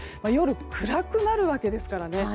夜暗くなるわけですからね。